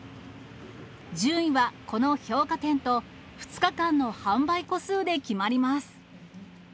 順位は、この評価点と、２日間の販売個数で決まります。